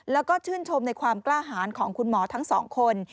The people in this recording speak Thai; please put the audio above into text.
แล้วก็ชื่นชมในความกล้าหารของคุณหมอทั้งสองคน